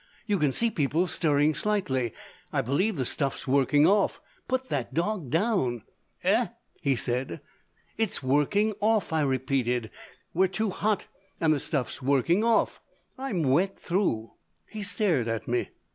You can see people stirring slightly. I believe the stuff's working off! Put that dog down." "Eh?" he said. "It's working off," I repeated. "We're too hot and the stuff's working off! I'm wet through." He stared at me.